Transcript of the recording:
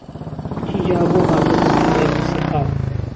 کوتی جا بۆ هاتۆته کن نێرگسی خاو